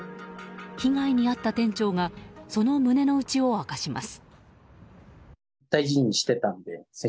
被害に遭った店長がその胸の内を明かします。